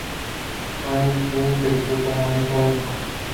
Phoenix Wright creció como hijo único.